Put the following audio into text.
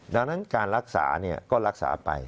ดังนั้นการรักษาก็รักษาไป